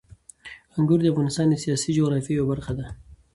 انګور د افغانستان د سیاسي جغرافیې یوه برخه ده.